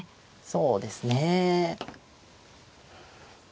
そうですね。